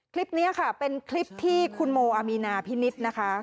ครบเนี่ยครับเป็นคลิปที่คุณโมอัมบ็ีนาพีนิศนะคะ